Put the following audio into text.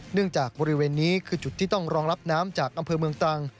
จากบริเวณนี้คือจุดที่ต้องรองรับน้ำจากอำเภอเมืองตรัง